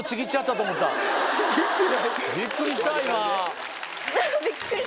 びっくりした今。